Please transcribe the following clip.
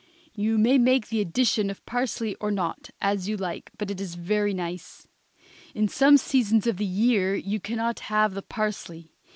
You may make the addition of parsley or not, as you like, but it is very nice. In some seasons of the year you can not have the parsley.